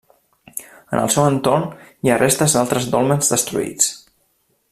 En el seu entorn hi ha restes d'altres dòlmens destruïts.